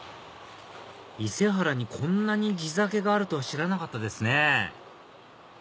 伊勢原にこんなに地酒があるとは知らなかったですね